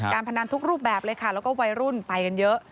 พนันทุกรูปแบบเลยค่ะแล้วก็วัยรุ่นไปกันเยอะ